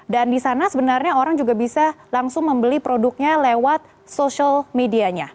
dan di sana sebenarnya orang juga bisa langsung membeli produknya lewat social medianya